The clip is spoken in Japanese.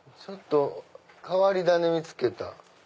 ちょっと変わり種見つけた。